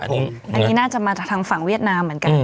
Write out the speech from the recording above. อันนี้น่าจะมาจากทางฝั่งเวียดนามเหมือนกัน